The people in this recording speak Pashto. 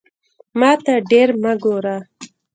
ماته ډیر مه ګوره